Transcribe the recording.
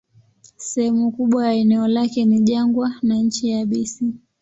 Sehemu kubwa ya eneo lake ni jangwa na nchi yabisi.